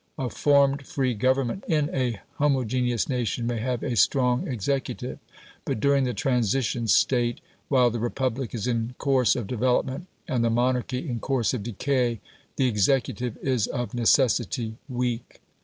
A formed free government in a homogeneous nation may have a strong executive; but during the transition state, while the republic is in course of development and the monarchy in course of decay, the executive is of necessity weak.